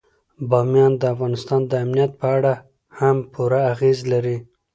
بامیان د افغانستان د امنیت په اړه هم پوره اغېز لري.